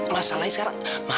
masalahnya sekarang ma